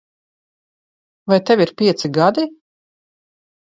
Vai tev ir pieci gadi?